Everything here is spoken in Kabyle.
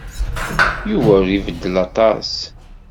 Yuba ur ibeddel aṭas.